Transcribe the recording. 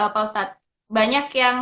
pak ustadz banyak yang